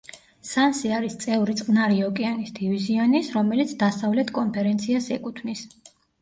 სანსი არის წევრი წყნარი ოკეანის დივიზიონის, რომელიც დასავლეთ კონფერენციას ეკუთვნის.